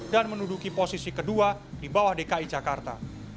dan menuduki posisi kedua di bawah dki jakarta